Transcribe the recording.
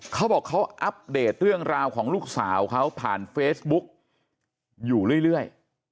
เขาบอกเขาอัปเดตเรื่องราวของลูกสาวเขาผ่านเฟซบุ๊กอยู่เรื่อย